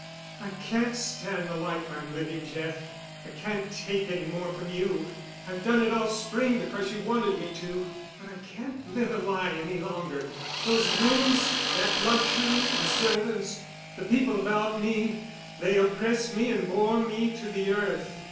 "I can't stand the life I'm living, Jeff. I can't take any more from you. I've done it all spring because you wanted me to, but I can't live a lie any longer. Those rooms, that luxury, the servants, the people about me, they oppressed me and bore me to the earth.